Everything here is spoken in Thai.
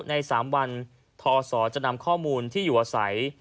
ใน๓วันทอศจะนำข้อมูลที่อยู่อาศัย